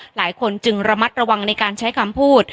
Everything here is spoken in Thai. หลายคนจึงระมัดระวังในการใช้คำพูด